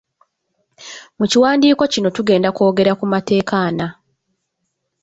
Mu kiwandiiko kino tugenda kwogera ku mateeka ana